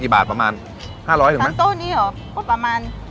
คนที่มาทานอย่างเงี้ยควรจะมาทานแบบคนเดียวนะครับ